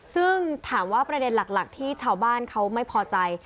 ซึ่งถามว่าประเด็นหลักที่ชาวบ้านเขาไม่พอใจ